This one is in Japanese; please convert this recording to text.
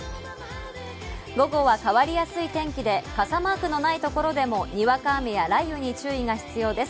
午後は変わりやすい天気で傘マークのないところでもにわか雨や雷雨に注意が必要です。